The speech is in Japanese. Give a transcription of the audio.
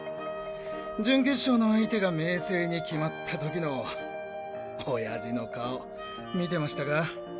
準決勝の相手が明青に決まった時の親父の顔見てましたか？